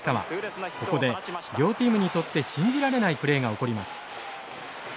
ここで両チームにとって信じられないプレーが起こります。